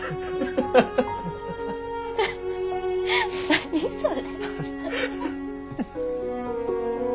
何それ。